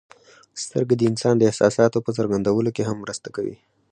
سترګې د انسان د احساساتو په څرګندولو کې هم مرسته کوي.